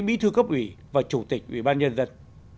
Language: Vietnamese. bí thư cấp ủy và chủ tịch ủy ban nhân dân